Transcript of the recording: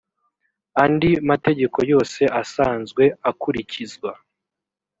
andi mategeko yose asanzwe akurikizwa